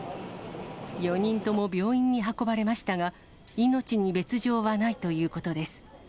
４人とも病院に運ばれましたが、命に別状はないということです。